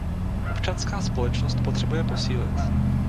Občanská společnost potřebuje posílit.